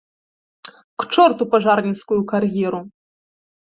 К чорту пажарніцкую кар'еру!